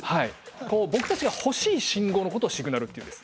僕たちが欲しい信号のことをシグナルっていうんです。